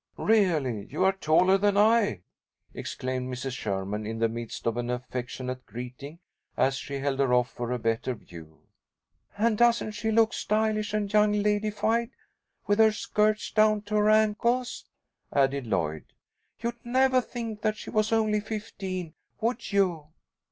"Really, you are taller than I," exclaimed Mrs. Sherman, in the midst of an affectionate greeting, as she held her off for a better view. "And doesn't she look stylish and young ladyfied, with her skirts down to her ankles," added Lloyd. "You'd nevah think that she was only fifteen, would you?"